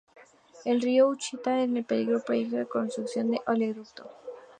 El río Ouachita está en peligro por el proyecto de construcción de un oleoducto.